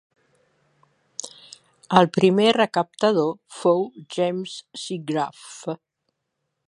El primer recaptador fou James Seagrove.